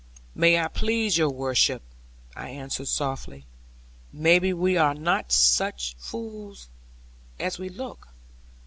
'May it please your worship,' I answered softly; 'maybe we are not such fools as we look.